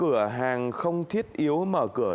cửa hàng không thiết yếu mở cửa